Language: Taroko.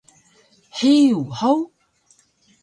Hiyug hug!